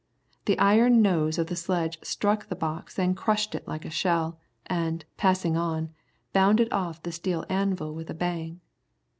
The iron nose of the sledge struck the box and crushed it like a shell, and, passing on, bounded off the steel anvil with a bang.